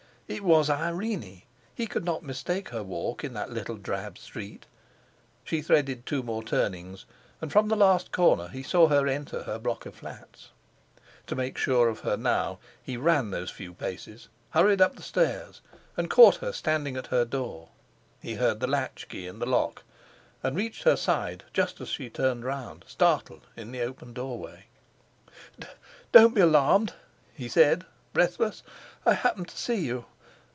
It was Irene; he could not mistake her walk in that little drab street. She threaded two more turnings, and from the last corner he saw her enter her block of flats. To make sure of her now, he ran those few paces, hurried up the stairs, and caught her standing at her door. He heard the latchkey in the lock, and reached her side just as she turned round, startled, in the open doorway. "Don't be alarmed," he said, breathless. "I happened to see you.